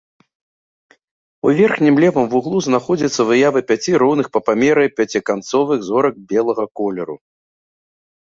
У верхнім левым вуглу знаходзіцца выява пяці роўных па памеры пяціканцовых зорак белага колеру.